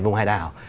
vùng hải đảo